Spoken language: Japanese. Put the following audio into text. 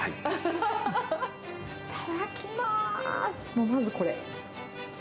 もうまずこれ。